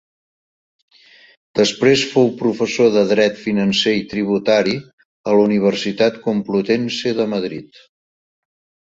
Després fou professor de dret financer i tributari a la Universitat Complutense de Madrid.